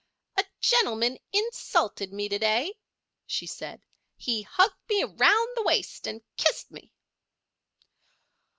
"A gentleman insulted me to day," she said. "He hugged me around the waist and kissed me."